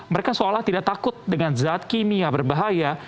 mereka seolah tidak takut dengan zat kimia berbahaya